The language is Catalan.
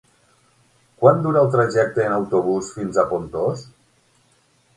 Quant dura el trajecte en autobús fins a Pontós?